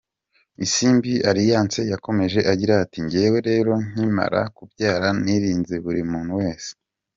Isimbi Alliance yakomeje agira ati, “njyewe rero nkimara kubyara nirinze buri muntu wese.